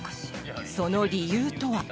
その理由とは？